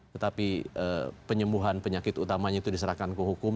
tetapi penyembuhan penyakit utamanya itu diserahkan ke hukum